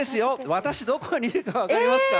私、どこにいるか分かりますか？